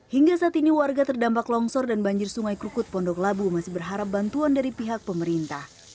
hingga saat ini warga terdampak longsor dan banjir sungai krukut pondok labu masih berharap bantuan dari pihak pemerintah